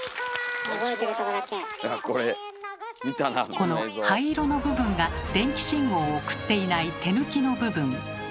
この灰色の部分が電気信号を送っていない手抜きの部分。